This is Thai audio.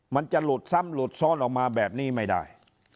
มันจะหลุดซ้ำหลุดซ้อนออกมาแบบนี้ไม่ได้